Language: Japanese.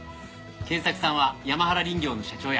賢作さんは山原林業の社長や。